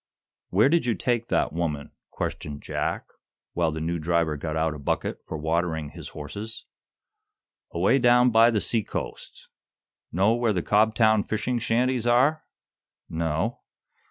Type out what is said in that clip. "Where did you take that woman?" questioned Jack, while the new driver got out a bucket for watering his horses. "Away down by the sea coast. Know where the Cobtown fishing shanties are?" "No."